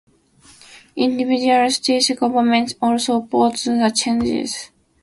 Individual state governments also opposed the changes.